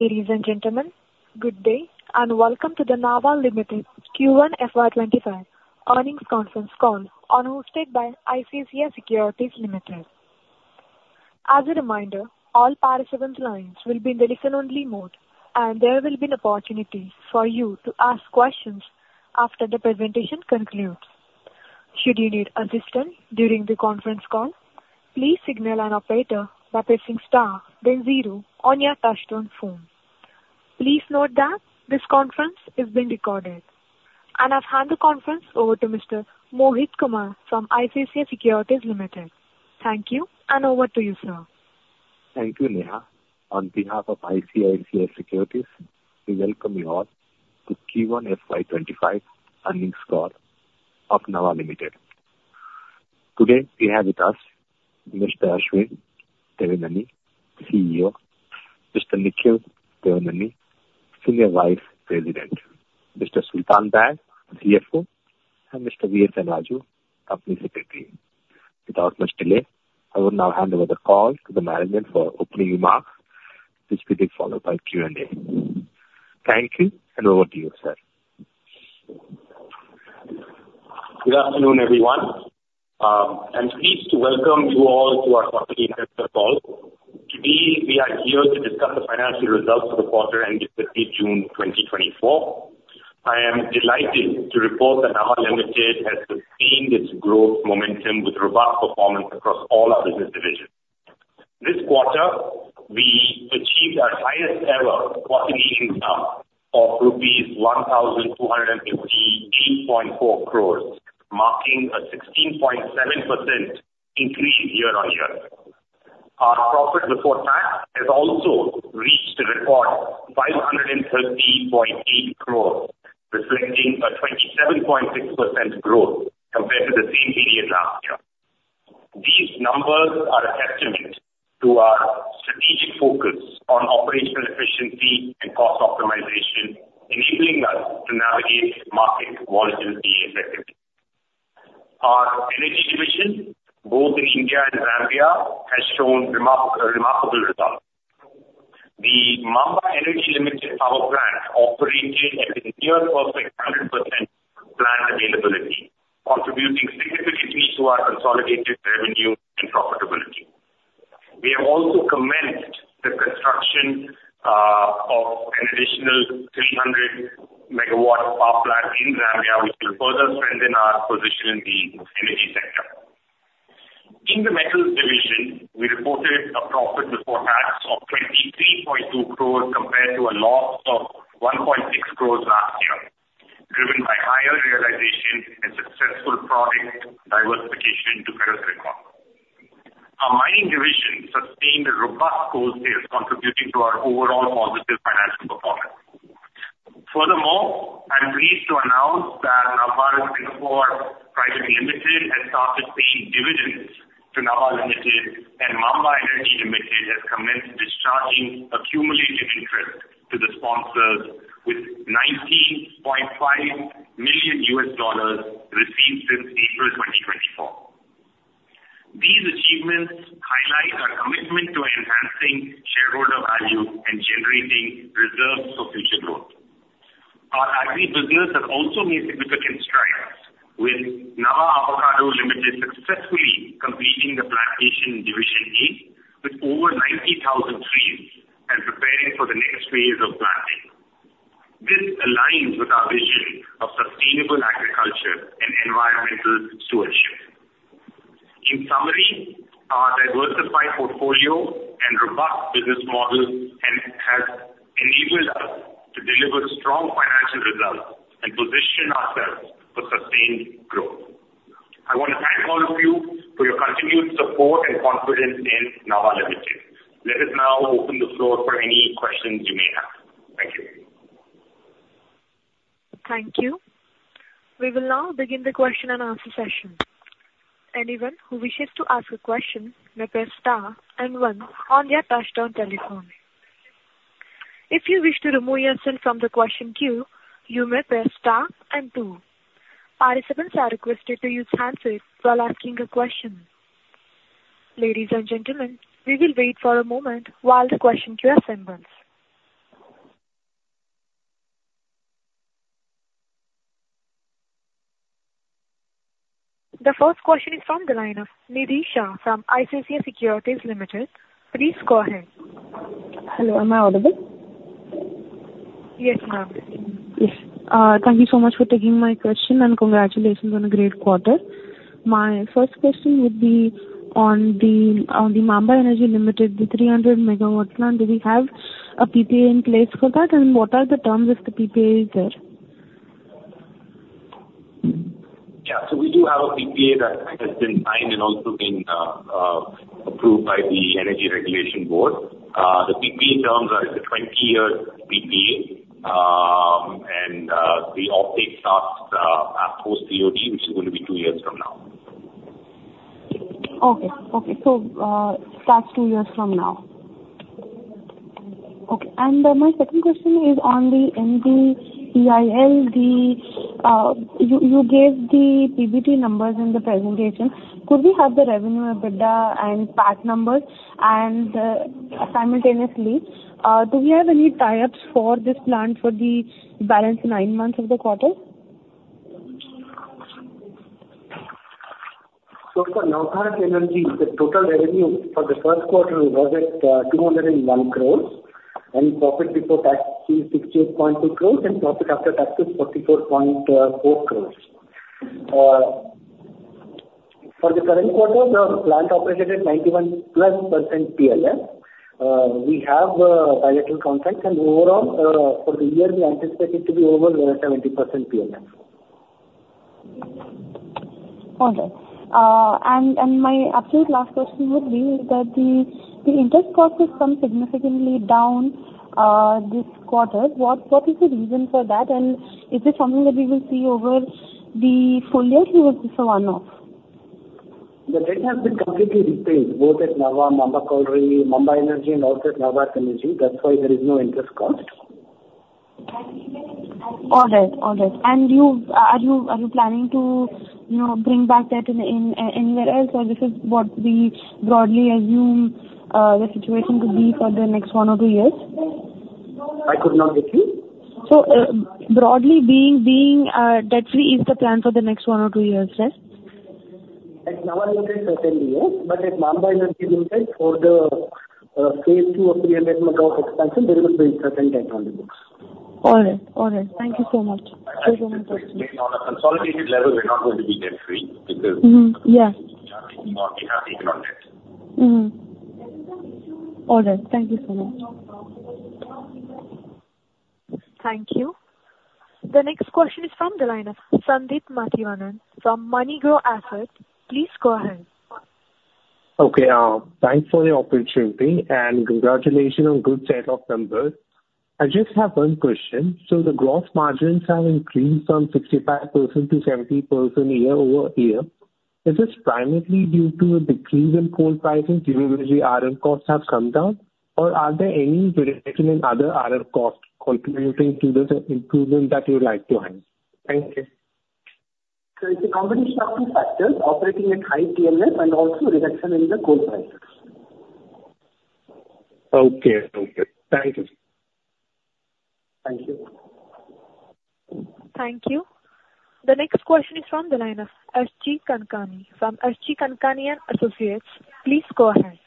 Ladies and gentlemen, good day, and welcome to the Nava Limited Q1 FY25 earnings conference call, hosted by ICICI Securities Limited. As a reminder, all participant lines will be in the listen-only mode, and there will be an opportunity for you to ask questions after the presentation concludes. Should you need assistance during the conference call, please signal an operator by pressing star then zero on your touchtone phone. Please note that this conference is being recorded. I'll hand the conference over to Mr. Mohit Kumar from ICICI Securities Limited. Thank you, and over to you, sir. Thank you, Neha. On behalf of ICICI Securities, we welcome you all to Q1 FY25 earnings call of Nava Limited. Today, we have with us Mr. Ashwin Devineni, CEO, Mr. Nikhil Devineni, Senior Vice President, Mr. Sultan Baig, CFO, and Mr. V.S. Raju, Company Secretary. Without much delay, I will now hand over the call to the management for opening remarks, which will be followed by Q&A. Thank you, and over to you, sir. Good afternoon, everyone. I'm pleased to welcome you all to our quarter results call. Today, we are here to discuss the financial results for the quarter ending 30 June 2024. I am delighted to report that Nava Limited has sustained its growth momentum with robust performance across all our business divisions. This quarter, we achieved our highest ever quarterly income of rupees 1,252.4 crore, marking a 16.7% increase year-on-year. Our profit before tax has also reached a record 513.8 crore, reflecting a 27.6% growth compared to the same period last year. These numbers are a testament to our strategic focus on operational efficiency and cost optimization, enabling us to navigate market volatility effectively. Our energy division, both in India and Zambia, has shown remarkable results. The Maamba Energy Limited power plant operated at a near-perfect 100% plant availability, contributing significantly to our consolidated revenue and profitability. We have also commenced the construction of an additional 300 MW power plant in Zambia, which will further strengthen our position in the energy sector. In the metals division, we reported a profit before tax of 23.2 crore compared to a loss of 1.6 crore last year, driven by higher realization and successful product diversification to ferrous recovery. Our mining division sustained a robust wholesale, contributing to our overall positive financial performance. Furthermore, I'm pleased to announce that Nava Bharat Energy Limited has started paying dividends to Nava Limited, and Maamba Energy Limited has commenced discharging a cumulative interest to the sponsors with $19.5 million received since April 2024. These achievements highlight our commitment to enhancing shareholder value and generating reserves for future growth. Our agri business has also made significant strides, with Nava Avocado Limited successfully completing the plantation division eight, with over 90,000 trees and preparing for the next phase of planting. This aligns with our vision of sustainable agriculture and environmental stewardship. In summary, our diversified portfolio and robust business model and has enabled us to deliver strong financial results and position ourselves for sustained growth. I want to thank all of you for your continued support and confidence in Nava Limited. Let us now open the floor for any questions you may have. Thank you. Thank you. We will now begin the question and answer session. Anyone who wishes to ask a question may press star and one on their touchtone telephone. If you wish to remove yourself from the question queue, you may press star and two. Participants are requested to use handset while asking a question. Ladies and gentlemen, we will wait for a moment while the question queue assembles. The first question is from the line of Nidhi Shah from ICICI Securities Limited. Please go ahead. Hello, am I audible? Yes, ma'am. Yes. Thank you so much for taking my question, and congratulations on a great quarter. My first question would be on the, on the Maamba Energy Limited, the 300 MW land. Do we have a PPA in place for that? And what are the terms if the PPA is there? Yeah. So we do have a PPA that has been signed and also been approved by the Energy Regulation Board. The PPA terms are, it's a 20-year PPA, and the offtake starts at post-COD, which is going to be 2 years from now. Okay. Okay. So, starts two years from now. Okay, and, my second question is on the MBEL, you gave the PBT numbers in the presentation. Could we have the revenue, EBITDA, and PAT numbers? And, simultaneously, do we have any tie-ups for this plant for the balance nine months of the quarter? For Maamba Energy, the total revenue for the first quarter was at 201 crore, and profit before tax is 68.2 crore, and profit after tax is 44.4 crore. For the current quarter, the plant operated at 91+% PLF. We have bilateral contracts, and overall, for the year, we anticipate it to be over 70% PLF. Okay. And my absolute last question would be is that the interest costs have come significantly down this quarter. What is the reason for that? And is this something that we will see over the full year, or is this a one-off? The debt has been completely repaid, both at Maamba Coal, Maamba Energy, and also Nava. That's why there is no interest cost. All right. All right. And you are you, are you planning to, you know, bring back debt in anywhere else, or this is what we broadly assume the situation could be for the next one or two years? I could not get you. Broadly, being debt-free is the plan for the next one or two years, sir? At Nava, it is certainly, yes. But at Maamba Energy, we [inaudible] for the phase II or 300 MW expansion, there will be certain debt on the books. All right. All right. Thank you so much. On a consolidated level, we're not going to be debt-free because- Mm-hmm. Yeah. We have inaudible. Mm-hmm. All right, thank you so much. Thank you. The next question is from the line of Sandip Mathivanan from MoneyGrow Asset. Please go ahead. Okay, thanks for the opportunity, and congratulations on good set of numbers. I just have one question: So the gross margins have increased from 65%-70% year-over-year. Is this primarily due to a decrease in coal prices, generally RM costs have come down? Or are there any reduction in other RM costs contributing to this improvement that you would like to highlight? Thank you. It's a combination of two factors, operating at high PLF and also reduction in the coal prices. Okay. Okay. Thank you. Thank you. Thank you. The next question is from the line of SG Kankani from SG Kankani & Associates. Please go ahead.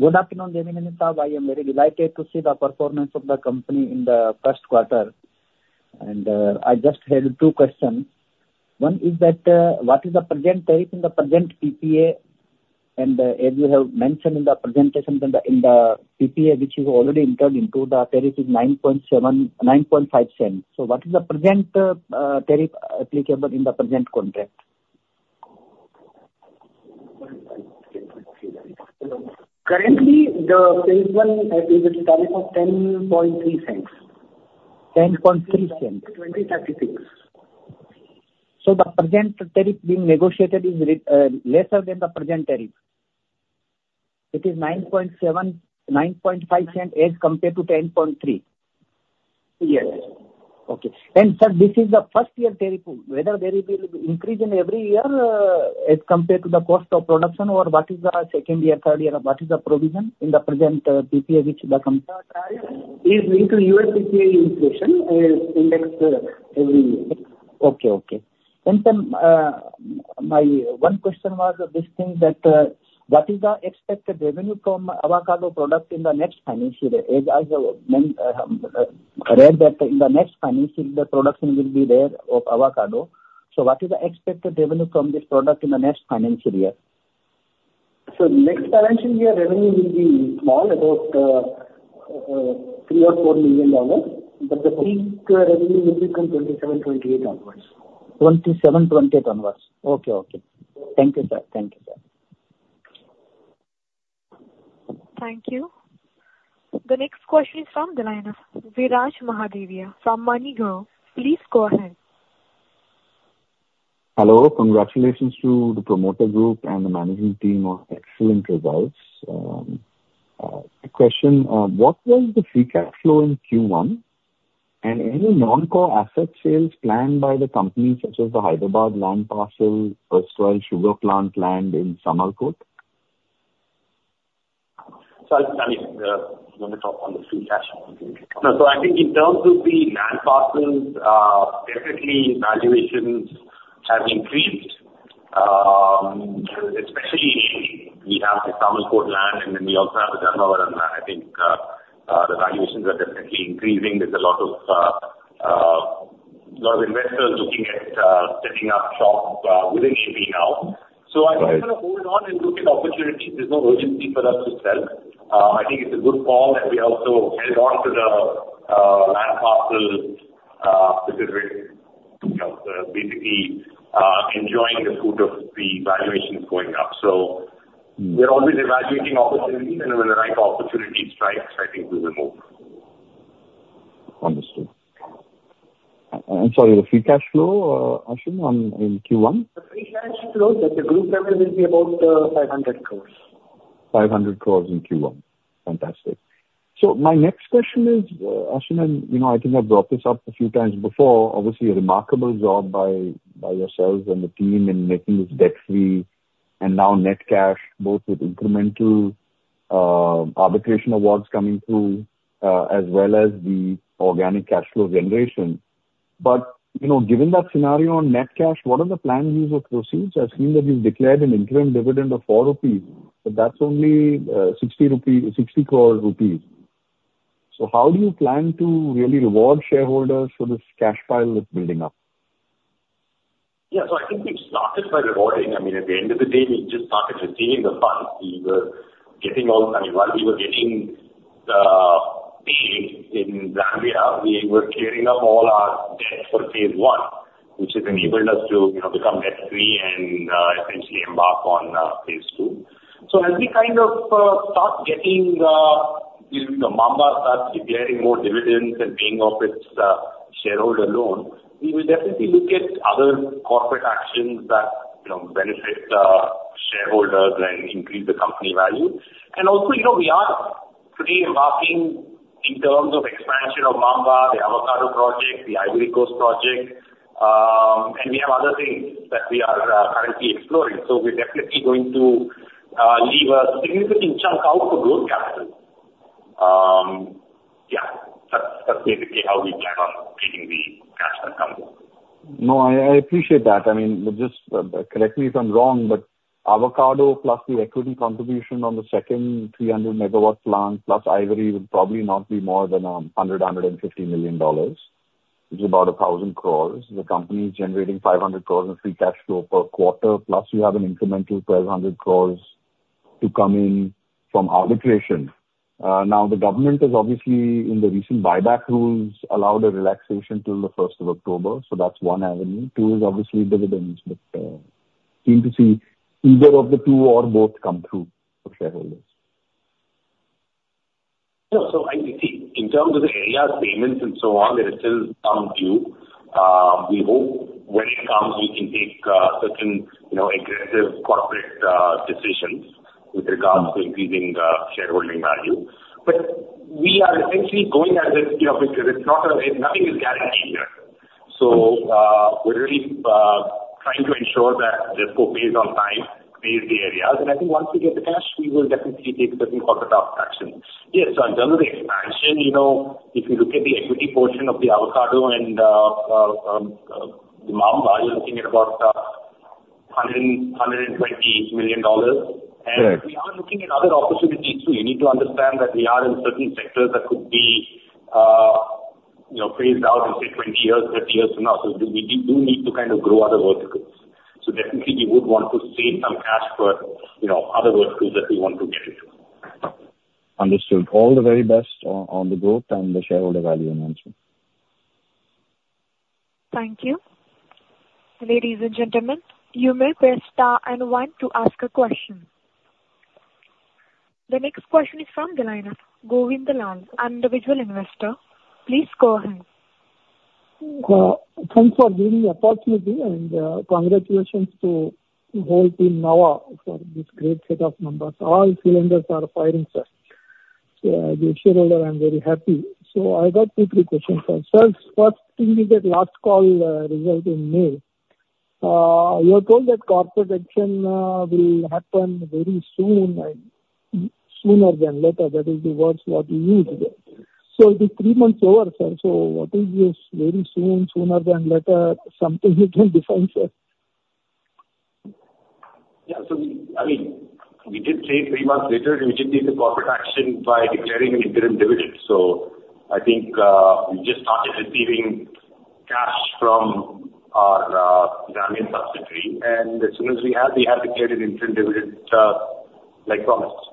Good afternoon, gentlemen. I am very delighted to see the performance of the company in the first quarter. I just have two questions. One is that, what is the present tariff in the present PPA? And, as you have mentioned in the presentation, in the, in the PPA, which you've already entered into, the tariff is 9.7... 9.5 cents. So what is the present tariff applicable in the present contract? Currently, the phase one tariff is $0.103. $0.103 Twenty thirty-six. The present tariff being negotiated is lesser than the present tariff? It is $0.097-$0.095 as compared to $0.103. Yes. Okay. Sir, this is the first year tariff. Whether there will be increase in every year, as compared to the cost of production, or what is the second year, third year, what is the provision in the present PPA, which the company- Is linked to U.S. PPA inflation, index, every year. Okay, okay. And then, my one question was this thing that, what is the expected revenue from avocado product in the next financial year? As I read that in the next financial year, the production will be there of avocado. So what is the expected revenue from this product in the next financial year? So next financial year, revenue will be small, about $3 million-$4 million, but the peak revenue will be from 2027, 2028 onwards. 27, 20 onwards. Okay. Okay. Thank you, sir. Thank you, sir. Thank you. The next question is from the line of Viraj Mahadevia from Moneygrow. Please go ahead. Hello. Congratulations to the promoter group and the managing team on excellent results. The question, what was the free cash flow in Q1, and any non-core asset sales planned by the company, such as the Hyderabad land parcel or sugar plant land in Samalkot? So, I mean, you want to talk on the free cash flow? No, so I think in terms of the land parcels, definitely valuations have increased. Especially we have the Samalkot land, and then we also have the Dharmavaram land. I think, the valuations are definitely increasing. There's a lot of lot of investors looking at setting up shop within AP now. Right. I think we're going to hold on and look at opportunities. There's no urgency for us to sell. I think it's a good call, and we also held on to the land parcel, specific, you know, so basically, enjoying the fruit of the valuations going up. Mm. We're always evaluating opportunities, and when the right opportunity strikes, I think we will move. Understood. I'm sorry, the free cash flow, Ashwin, in Q1? The free cash flow that the group level will be about 500 crore. 500 crore in Q1. Fantastic. So my next question is, Ashwin, and, you know, I think I've brought this up a few times before. Obviously, a remarkable job by, by yourselves and the team in making this debt-free, and now net cash, both with incremental-... arbitration awards coming through, as well as the organic cash flow generation. But, you know, given that scenario on net cash, what are the planned use of proceeds? I've seen that you've declared an interim dividend of 4 rupees, but that's only, sixty rupees, 60 crore rupees. So how do you plan to really reward shareholders for this cash pile that's building up? Yeah. So I think we've started by rewarding. I mean, at the end of the day, we just started receiving the funds. We were getting all, I mean, while we were getting paid in Zambia, we were clearing up all our debts for phase one, which has enabled us to, you know, become debt free and essentially embark on phase two. So as we kind of start getting if Maamba starts declaring more dividends and paying off its shareholder loan, we will definitely look at other corporate actions that, you know, benefit shareholders and increase the company value. And also, you know, we are pretty embarking in terms of expansion of Maamba, the Avocado project, the Ivory Coast project, and we have other things that we are currently exploring. So we're definitely going to leave a significant chunk out for growth capital. Yeah, that's basically how we plan on getting the cash that comes in. No, I appreciate that. I mean, just correct me if I'm wrong, but Avocado plus the equity contribution on the second 300 MW plant, plus Ivory, would probably not be more than $150 million, which is about 1,000 crores. The company is generating 500 crores in free cash flow per quarter, plus you have an incremental 1,200 crores to come in from arbitration. Now, the government is obviously, in the recent buyback rules, allowed a relaxation till the first of October, so that's one avenue. Two is obviously dividends, but seem to see either of the two or both come through for shareholders. No, so I see. In terms of the arrears, payments and so on, there is still some due. We hope when it comes, we can take certain, you know, aggressive corporate decisions with regards to increasing the shareholding value. But we are essentially going at this, you know, because it's not a... Nothing is guaranteed here. So, we're really trying to ensure that ZESCO pays on time, pays the arrears, and I think once we get the cash, we will definitely take certain corporate action. Yes, so in terms of expansion, you know, if you look at the equity portion of the Avocado and Mamba, you're looking at about $100-$120 million. Right. We are looking at other opportunities, too. You need to understand that we are in certain sectors that could be, you know, phased out in, say, 20 years, 30 years from now. So we do need to kind of grow other verticals. So definitely we would want to save some cash for, you know, other verticals that we want to get into. Understood. All the very best on, on the growth and the shareholder value enhancement. Thank you. Ladies and gentlemen, you may press star and one to ask a question. The next question is from the line of Govind Lal, individual investor. Please go ahead. Thanks for giving me opportunity, and, congratulations to the whole team Nava for this great set of numbers. All cylinders are firing, sir. So as a shareholder, I'm very happy. So I've got two, three questions, sir. First, in that last call, result in May, you are told that corporate action will happen very soon and sooner than later. That is the words that you used. So it is three months over, sir. So what is this very soon, sooner than later? Something you can define, sir. Yeah. So, I mean, we did say three months later, and we did take a corporate action by declaring an interim dividend. So I think, we just started receiving cash from our, Zambian subsidiary, and as soon as we have, we have declared an interim dividend, like promised.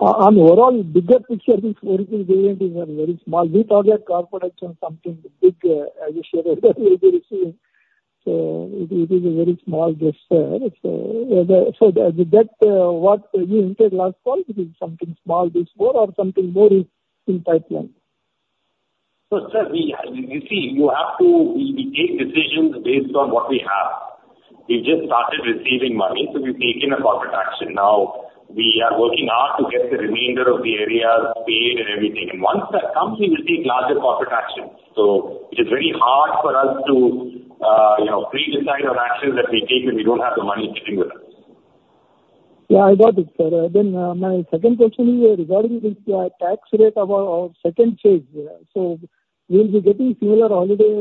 the overall bigger picture, this very dividend is a very small. We thought that corporate action something big, as a shareholder we are receiving. So it, it is a very small gesture. It's, so does that, what we entered last fall, this is something small, this more or something more is in pipeline? So, sir, we, you see, you have to... We take decisions based on what we have. We just started receiving money, so we've taken a corporate action. Now, we are working hard to get the remainder of the arrears paid and everything, and once that comes, we will take larger corporate actions. So it is very hard for us to, you know, pre-decide on actions that we take, and we don't have the money sitting with us. Yeah, I got it, sir. Then, my second question is regarding this tax rate of our, our second phase. So we'll be getting similar holiday,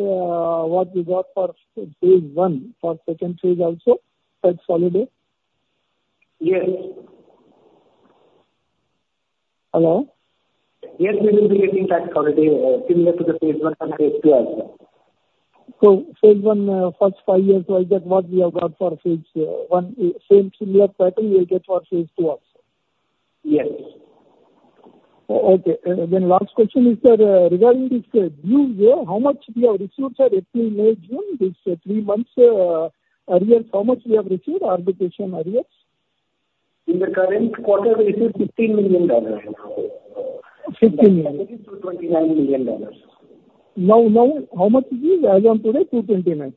what we got for phase one, for second phase also, tax holiday? Yes. Hello? Yes, we will be getting tax holiday, similar to the phase one and phase two as well. Phase I, first five years, so I get what we have got for Phase I, same similar pattern we get for Phase II also? Yes. Oh, okay. Then last question is, sir, regarding these dues, how much we have received, sir, between May, June, this three months, arrears, how much we have received arbitration arrears? In the current quarter, we received $15 million. Fifteen million. $29 million. Now, now, how much is it as on today? INR 229.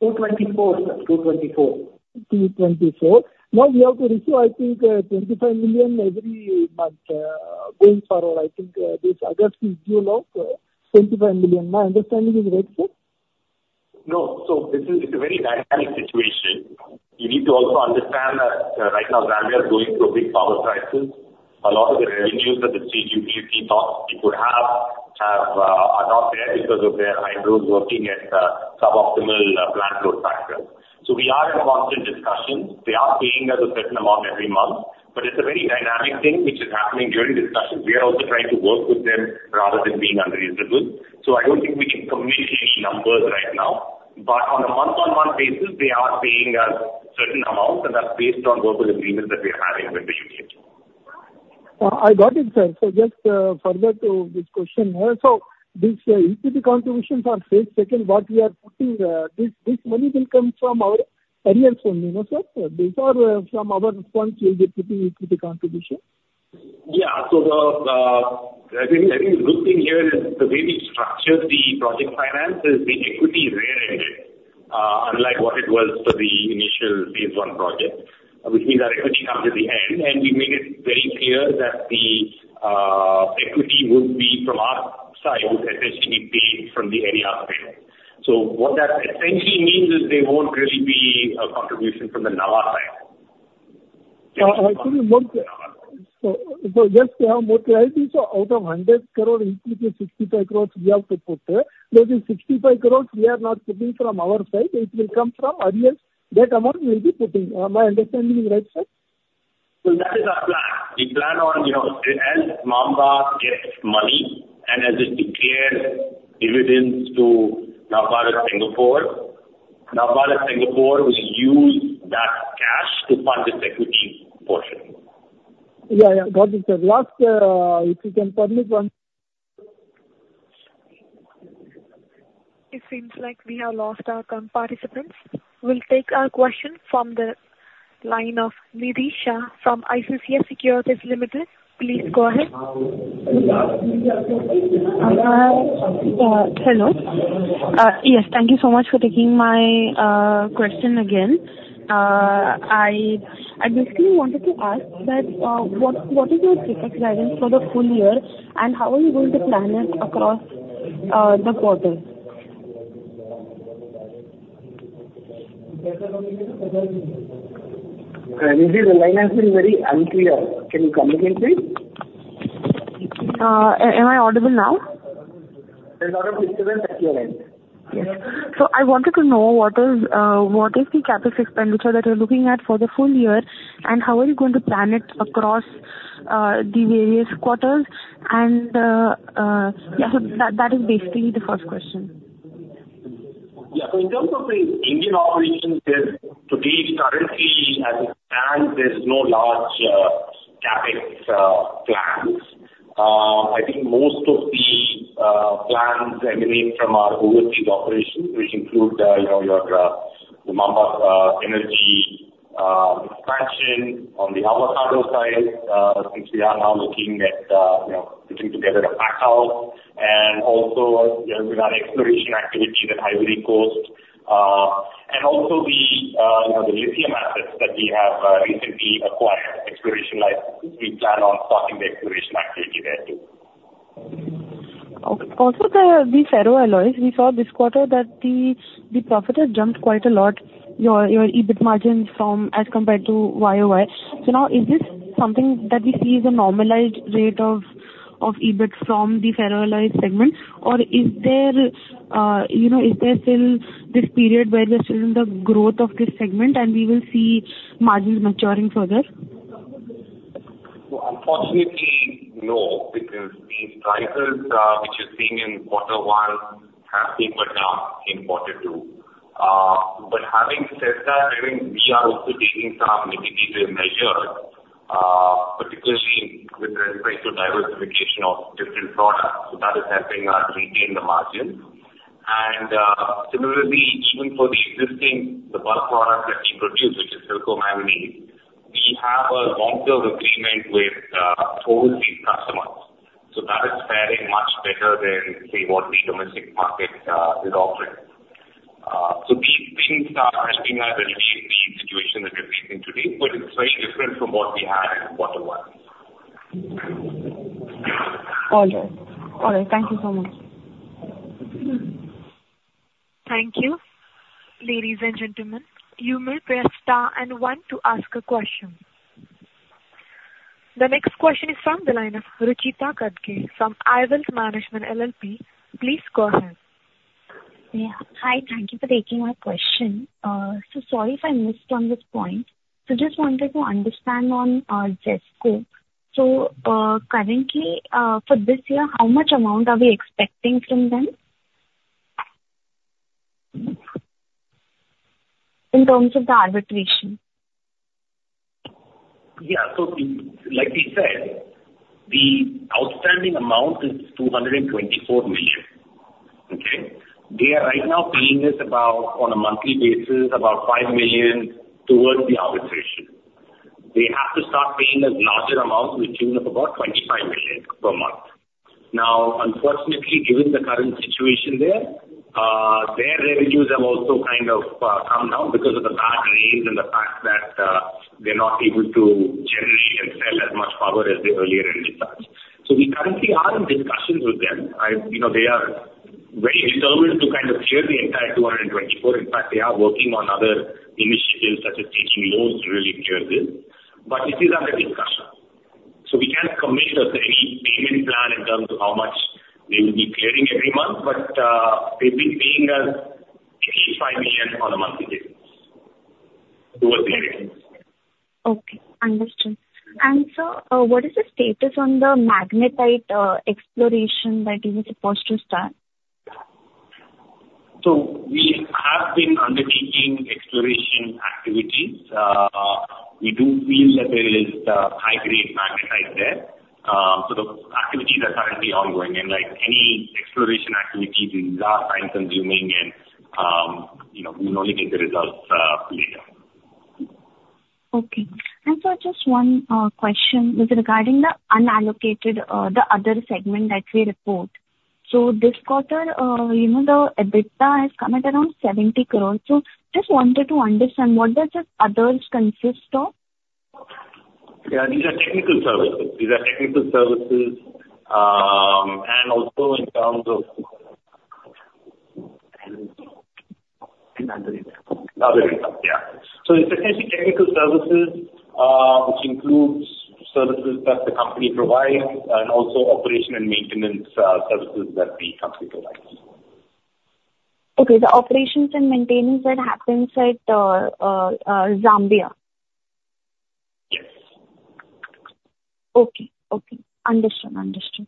224, sir. 224. 2024. Now, we have to receive, I think, $25 million every month, going forward. I think, this August is due of, $25 million. My understanding is right, sir? No, so this is, it's a very dynamic situation. You need to also understand that, right now Zambia is going through a big power crisis. A lot of the revenues that the ZESCO thought it would have, have, are not there because of their hydro is working at, suboptimal, plant load factor. So we are in constant discussions. They are paying us a certain amount every month, but it's a very dynamic thing which is happening during discussions. We are also trying to work with them rather than being unreasonable. So I don't think we can communicate numbers right now, but on a month-on-month basis, they are paying a certain amount, and that's based on those agreements that we are having with the unit. I got it, sir. So just, further to this question. So this equity contribution for phase two, what we are putting, this money will come from our areas only, you know, sir? These are some other points we'll be putting into the contribution. Yeah. So I think, I think the good thing here is the way we structured the project finances, the equity is rear-ended, unlike what it was for the initial phase one project. Which means our equity comes at the end, and we made it very clear that the equity would be from our side, would essentially be from the Nava side. So what that essentially means is there won't really be a contribution from the Nava side. Actually, more so, so just to have more clarity, so out of 100 crore, including 65 crores, we have to put. Those 65 crores, we are not putting from our side. It will come from areas that amount will be putting. My understanding is right, sir? So that is our plan. We plan on, you know, as Maamba gets money and as it declares dividends to Nava Bharat Singapore, Nava Bharat Singapore will use that cash to fund this equity portion. Yeah, yeah. Got it, sir. Last, if you can tell me one- It seems like we have lost our connection, participants. We'll take a question from the line of Nidhi Shah from ICICI Securities Limited. Please go ahead. Hello. Yes, thank you so much for taking my question again. I basically wanted to ask that what is your CapEx guidance for the full year, and how are you going to plan it across the quarters? Nidhi, the line has been very unclear. Can you come again, please? Am I audible now? There's a lot of disturbance at your end. Yes. So I wanted to know what is, what is the CapEx expenditure that you're looking at for the full year, and how are you going to plan it across, the various quarters? And, yeah, so that, that is basically the first question. Yeah. So in terms of the Indian operations there, to date, currently, as we stand, there's no large CapEx plans. I think most of the plans emanate from our overseas operations, which include, you know, the Maamba Energy expansion on the avocado side, since we are now looking at, you know, putting together a pack house and also, you know, we've got exploration activity in the Ivory Coast. And also the, you know, the lithium assets that we have recently acquired exploration license. We plan on starting the exploration activity there, too. O- also, the ferro alloys, we saw this quarter that the profit had jumped quite a lot, your EBIT margins from as compared to YOY. So now, is this something that we see as a normalized rate of EBIT from the ferro alloys segment, or is there, you know, is there still this period where we're still in the growth of this segment and we will see margins maturing further? Well, unfortunately, no, because the prices which you're seeing in quarter one have tapered down in quarter two. But having said that, I mean, we are also taking some mitigative measures, particularly with respect to diversification of different products, so that is helping us retain the margins. And, similarly, even for the existing, the bulk product that we produce, which is Silicon Manganese, we have a long-term agreement with overseas customers. So that is faring much better than, say, what the domestic market is offering. So these things are helping us alleviate the situation that we're facing today, but it's very different from what we had in quarter one. All right. All right. Thank you so much. Thank you. Ladies and gentlemen, you may press star and one to ask a question. The next question is from the line of Ruchita Kadge from Wealth Management LLP. Please go ahead. Yeah. Hi, thank you for taking my question. So sorry if I missed on this point. So just wanted to understand on ZESCO. So, currently, for this year, how much amount are we expecting from them? In terms of the arbitration. Yeah. So like we said, the outstanding amount is $224 million, okay? They are right now paying us about, on a monthly basis, about $5 million towards the arbitration. They have to start paying a larger amount in the tune of about $25 million per month. Now, unfortunately, given the current situation there, their revenues have also kind of come down because of the bad rains and the fact that they're not able to generate as much power as the earlier installs. So we currently are in discussions with them. You know, they are very determined to kind of clear the entire 224. In fact, they are working on other initiatives, such as taking loans to really clear this, but it is under discussion. So we can't commit as to any payment plan in terms of how much they will be clearing every month, but they've been paying us $85 million on a monthly basis, towards clearing. Okay, understood. Sir, what is the status on the magnetite exploration that you were supposed to start? So we have been undertaking exploration activities. We do feel that there is high-grade magnetite there. So the activities are currently ongoing, and like any exploration activities, these are time-consuming and, you know, we will only get the results later. Okay. Sir, just one question is regarding the unallocated, the other segment that we report. So this quarter, you know, the EBITDA has come at around 70 crore. So just wanted to understand, what does this others consist of? Yeah, these are technical services. These are technical services, and also in terms of... Inaudible. Yeah. So it's essentially technical services, which includes services that the company provides, and also operation and maintenance, services that the company provides. Okay, the operations and maintenance that happens at, Zambia? Yes. Okay. Okay. Understood. Understood.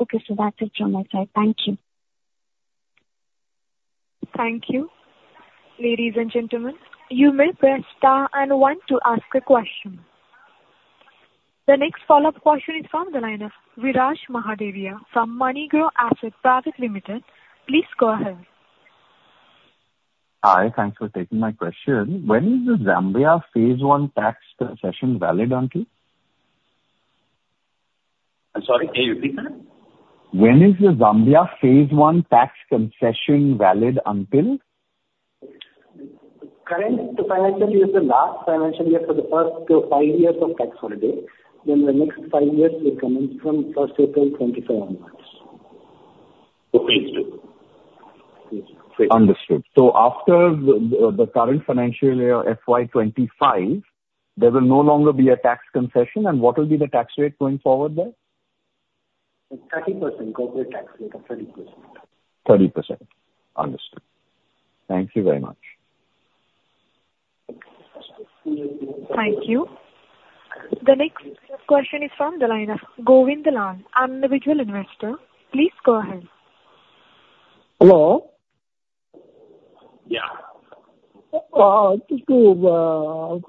Okay, so that's it from my side. Thank you. Thank you. Ladies and gentlemen, you may press star and one to ask a question. The next follow-up question is from the line of Viraj Mahadevia from Moneygrow Asset Private Limited. Please go ahead. Hi, thanks for taking my question. When is the Zambia phase one tax concession valid until? I'm sorry, can you repeat that? When is the Zambia Phase One tax concession valid until? Current financial year is the last financial year for the first five years of tax holiday. Then the next five years will commence from first April 2025. Okay. Understood. So after the current financial year, FY 2025, there will no longer be a tax concession? And what will be the tax rate going forward there? 30%, corporate tax rate of 30%. 30%. Understood. Thank you very much. Thank you. The next question is from the line of Govind Lal, individual investor. Please go ahead. Hello? Yeah. Just to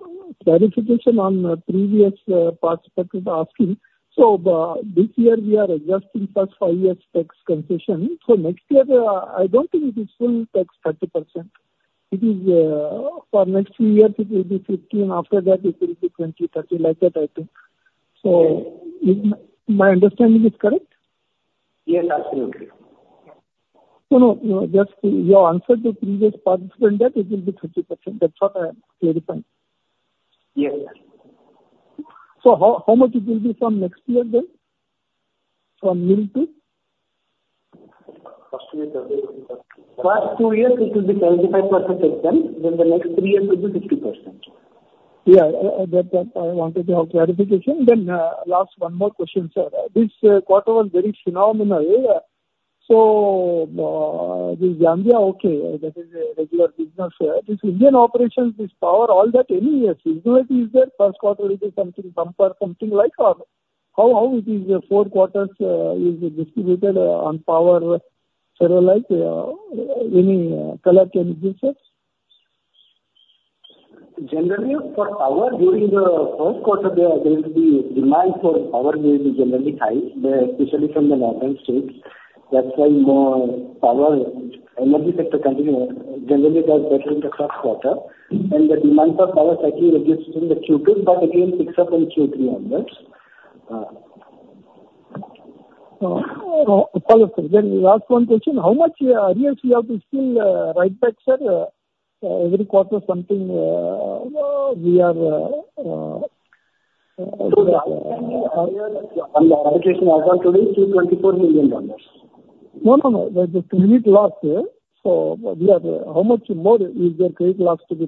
clarification on the previous participant asking, so this year we are adjusting first five years tax concession. So next year, I don't think it is full tax 30%. It is for next two years it will be 15, after that it will be 20, 30, like that, I think. So my understanding is correct? Yes, absolutely. No, no, just your answer to previous participant that it will be 30%. That's what I am clarifying. Yeah. Yeah. How much it will be from next year then, from nil to? First two years it will be 35%, then the next three years will be 50%. Yeah, that I wanted to have clarification. Then, last one more question, sir. This quarter was very phenomenal, yeah. So, the Zambia, okay, that is a regular business. This Indian operations, this power, all that any seasonality is there, first quarter it is something bumper, something like or how, how it is, four quarters, is distributed, on power? Say, like, any color can you give, sir? Generally, for power, during the first quarter, there will be demand for power will be generally high, especially from the northern states. That's why more power energy sector companies generally does better in the first quarter. And the demand for power slightly reduces in the Q2, but again picks up in Q3 onwards. Follow-up, sir. Then last one question, how much arrears you have to still write back, sir? Every quarter something, we are On the arbitration account only, $224 million. No, no, no. The unit loss, so we are... How much more is the credit loss to be,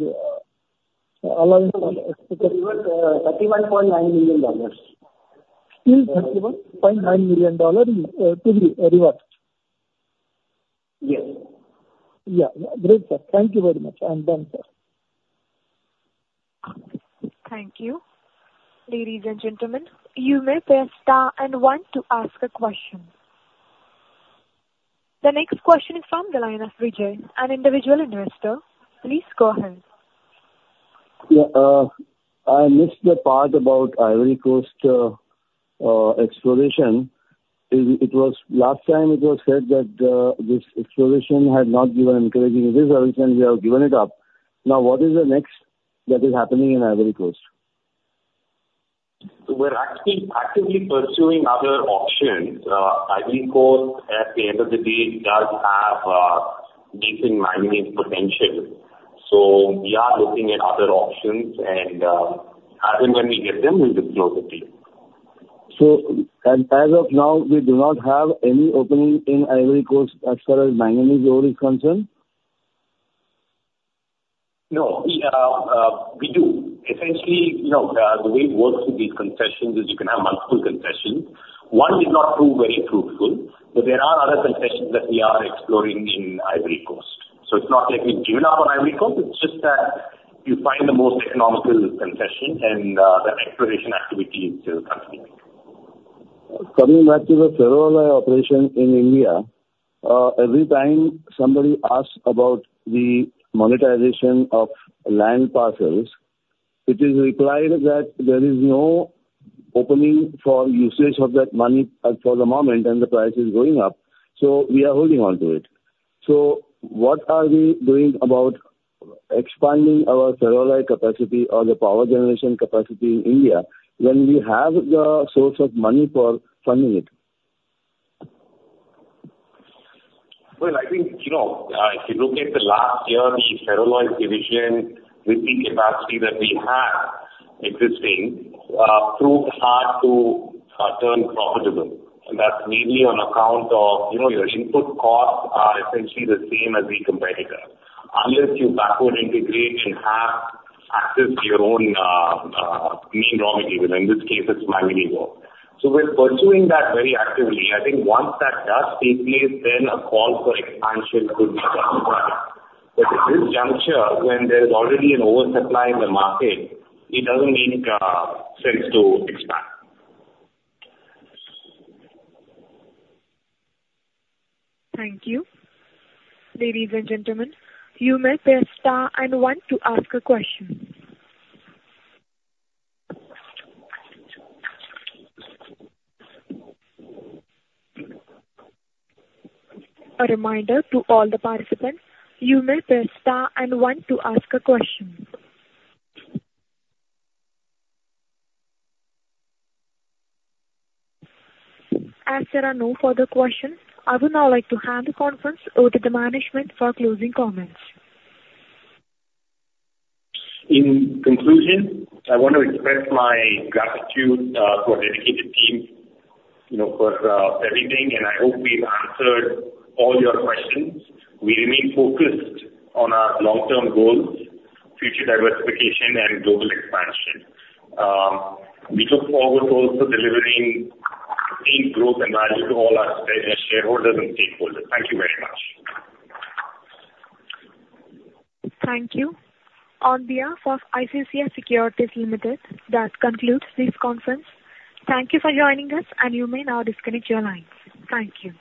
allowed for, expected? $31.9 million. Still $31.9 million is to be reversed? Yes. Yeah. Great, sir. Thank you very much, and done, sir. Thank you. Ladies and gentlemen, you may press star and one to ask a question. The next question is from the line of Vijay, an individual investor. Please go ahead. Yeah, I missed the part about Ivory Coast exploration. It was last time it was said that this exploration had not given encouraging results and you have given it up. Now, what is the next that is happening in Ivory Coast? So we're actually actively pursuing other options. Ivory Coast, at the end of the day, does have decent mining potential. So we are looking at other options, and, as and when we get them, we'll disclose it to you. As of now, we do not have any opening in Ivory Coast as far as manganese ore is concerned? No, we do. Essentially, you know, the way it works with these concessions is you can have multiple concessions. One did not prove very fruitful, but there are other concessions that we are exploring in Ivory Coast. So it's not that we've given up on Ivory Coast, it's just that you find the most economical concession, and that exploration activity is still continuing. Coming back to the ferroalloy operation in India, every time somebody asks about the monetization of land parcels, it is replied that there is no opening for usage of that money at for the moment, and the price is going up, so we are holding on to it. So what are we doing about expanding our ferroalloy capacity or the power generation capacity in India when we have the source of money for funding it? Well, I think, you know, if you look at the last year, the ferroalloys division, with the capacity that we had existing, proved hard to turn profitable. And that's mainly on account of, you know, your input costs are essentially the same as the competitor. Unless you backward integrate and have access to your own raw material, in this case, it's manganese ore. So we're pursuing that very actively. I think once that does take place, then a call for expansion could be justified. But at this juncture, when there's already an oversupply in the market, it doesn't make sense to expand. Thank you. Ladies and gentlemen, you may press star and one to ask a question. A reminder to all the participants, you may press star and one to ask a question. As there are no further questions, I would now like to hand the conference over to the management for closing comments. In conclusion, I want to express my gratitude to our dedicated team, you know, for everything, and I hope we've answered all your questions. We remain focused on our long-term goals, future diversification, and global expansion. We look forward to also delivering clean growth and value to all our shareholders and stakeholders. Thank you very much. Thank you. On behalf of ICICI Securities Limited, that concludes this conference. Thank you for joining us, and you may now disconnect your lines. Thank you.